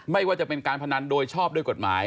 ไม่ว่าจะเป็นการพนันโดยชอบด้วยกฎหมาย